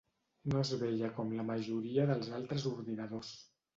No es veia com la majoria dels altres ordinadors.